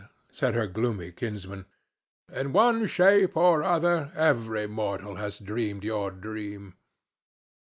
said her gloomy kinsman. "In one shape or other every mortal has dreamed your dream."